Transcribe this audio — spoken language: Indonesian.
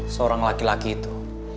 seorang laki laki itu